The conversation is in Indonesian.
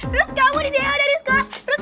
terus kamu di dewa dari sekolah